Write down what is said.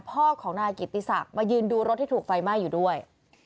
พ่อของนายกิติศักดิ์มายืนดูรถที่ถูกไฟไหม้อยู่ด้วย